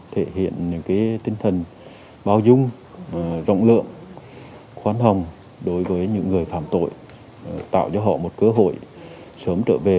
thể hiện những tinh thần bao dung rộng lượng khoan hồng đối với những người phạm tội tạo cho họ một cơ hội sớm trở về